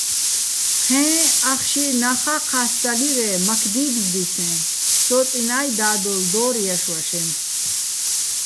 ჴეჼ ახში ნახა́ ჴასდალირე́ მაქ დიბზდისეჼ, სო́წინაჲ და́დოლ დო́რ ჲაშო̆-ვაშენ.